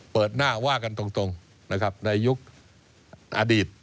เปิดหน้าว่ากันตรงนะครับในยุคอดีต